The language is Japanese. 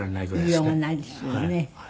言いようがないですよね。